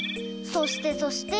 そしてそして。